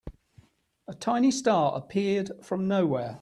A tiny star appeared from nowhere.